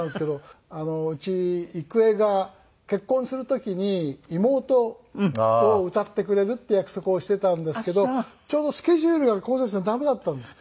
うち郁恵が結婚する時に『妹』を歌ってくれるって約束をしてたんですけどちょうどスケジュールがこうせつさんダメだったんです。